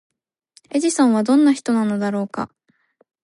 エジソンはどんな人なのだろうか？